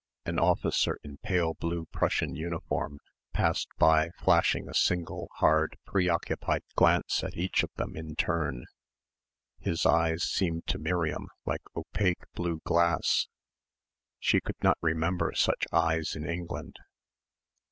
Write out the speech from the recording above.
An officer in pale blue Prussian uniform passed by flashing a single hard preoccupied glance at each of them in turn. His eyes seemed to Miriam like opaque blue glass. She could not remember such eyes in England.